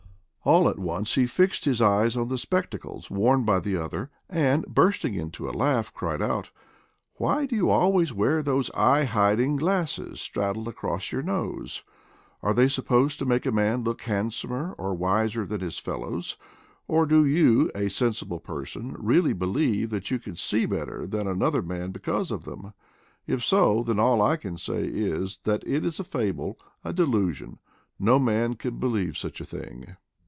All at once he fixed his eyes on the spectacles worn by the otter, and, bursting into a laugh, cried out, "Why do you always wear those eye hiding glasses straddled across your nose? Are they supposed to make a man look handsomer or wiser than his fellows, or do you, a sensible person, real ly believe that you can see better than another man because of themf If so, then all I can say is that it is a fable, a delusion; no man can believe such a thing."